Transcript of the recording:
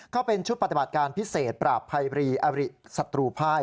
ก็เป็นชุดปฏิบัติการพิเศษปราบภัยบรีอริสัตรูภาย